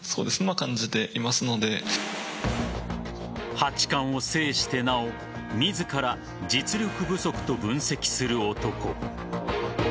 八冠を制してなお自ら、実力不足と分析する男。